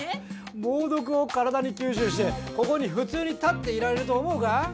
猛毒を体に吸収してここに普通に立っていられると思うか？